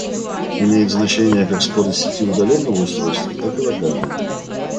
Имеет значение как скорость сети удаленного устройства, так и локального